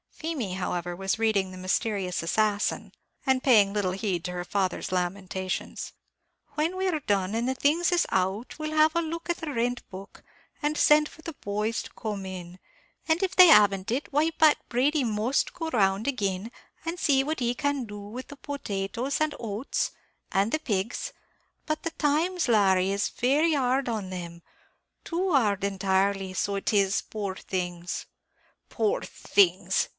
Feemy, however, was reading the "Mysterious Assassin," and paying little heed to her father's lamentations. "When we're done, and the things is out, we'll have a look at the rent book, and send for the boys to come in; and if they haven't it, why, Pat Brady must go round agin, and see what he can do with the potatoes and oats, and the pigs; but the times, Larry, is very hard on them; too hard entirely, so it is, poor things " "Poor things!"